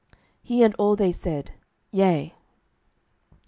He and all they said, "Yea."